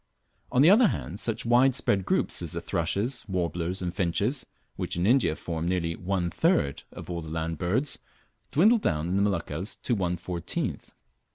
On the other hand, such wide spread groups as the thrushes, warblers, and finches, which in India form nearly one third of all the land birds, dwindle down in the Moluccas to _one fourteenth.